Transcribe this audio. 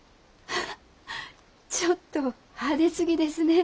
ハハッちょっと派手すぎですね。